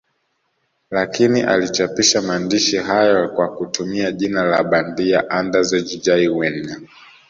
Lakini alichapisha maandishi hayo kwa kutumia jina la bandia Andrzej Jawien